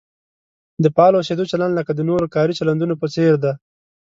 د فعال اوسېدو چلند لکه د نورو کاري چلندونو په څېر دی.